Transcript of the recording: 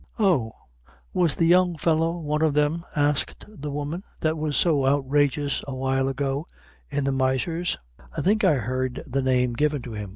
"O was the young fellow one of them," asked the woman, "that was so outrageous awhile ago in the miser's? I think I heard the name given to him."